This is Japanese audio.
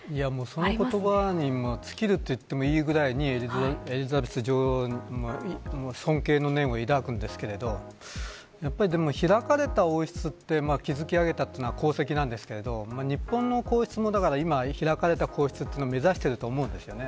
その言葉に尽きるといってもいいぐらいに、エリザベス女王に尊敬の念を抱くんですがやっぱり、開かれた王室を築き上げたというのは功績なんですが日本の皇室も開かれた皇室を目指していると思うんです。